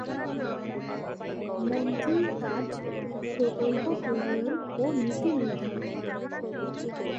মন্ত্রীর কাজ প্রকল্প প্রণয়ন ও নীতি নির্ধারণ।